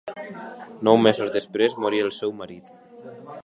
Nou mesos després moria el seu marit.